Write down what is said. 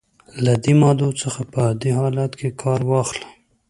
له دې موادو څخه په عادي حالت کې کار واخلئ.